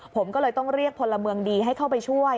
ผมก็เลยต้องเรียกพลเมืองดีให้เข้าไปช่วย